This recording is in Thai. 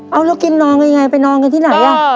เอาลูกกินนอนกันยังไงไปนอนกันที่ไหนอ่ะ